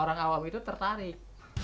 orang awam itu tertarik